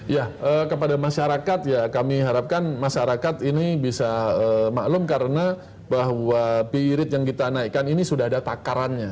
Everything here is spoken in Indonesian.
ya kepada masyarakat ya kami harapkan masyarakat ini bisa maklum karena bahwa bi rate yang kita naikkan ini sudah ada takarannya